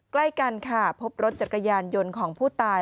ใกล้กันค่ะพบรถจักรยานยนต์ของผู้ตาย